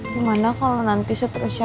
gimana kalo nanti seterusnya